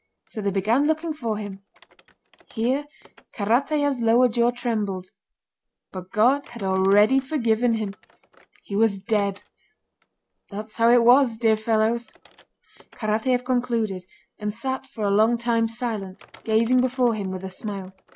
so they began looking for him," here Karatáev's lower jaw trembled, "but God had already forgiven him—he was dead! That's how it was, dear fellows!" Karatáev concluded and sat for a long time silent, gazing before him with a smile.